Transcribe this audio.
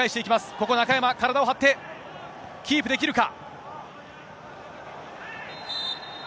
ここは中山、体を張って、キープできるか。